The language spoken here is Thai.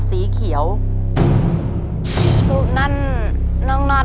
ต้นไม้ประจำจังหวัดระยองการครับ